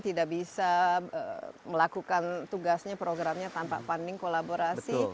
tidak bisa melakukan tugasnya programnya tanpa funding kolaborasi